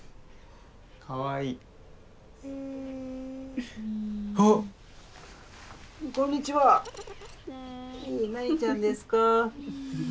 かわいいあっこんにちは何ちゃんですか？